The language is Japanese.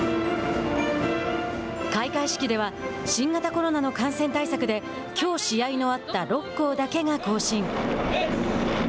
開会式では新型コロナの感染対策できょう試合のあった６校だけが行進。